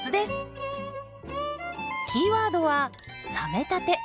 キーワードは「冷めたて」。